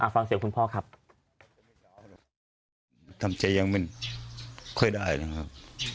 ฟังเสียงคุณพ่อครับทำใจยังไม่ค่อยได้นะครับ